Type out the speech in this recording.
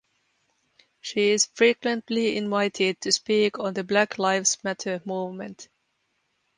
She is frequently invited to speak on the Black Lives Matter movement.